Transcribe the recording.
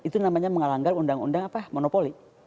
itu namanya mengalanggar undang undang monopoli